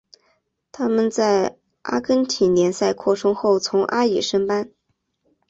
他们在阿根廷联赛扩充后从阿乙升班。